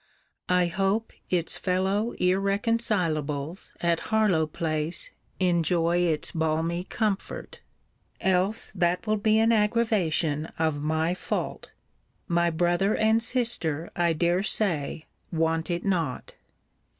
I hope its fellow irreconcilables at Harlowe place enjoy its balmy comforts. Else that will be an aggravation of my fault. My brother and sister, I dare say, want it not.